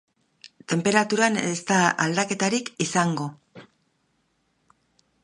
Tenperaturan ez da aldaketarik izango.